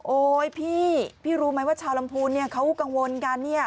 พี่พี่รู้ไหมว่าชาวลำพูนเนี่ยเขากังวลกันเนี่ย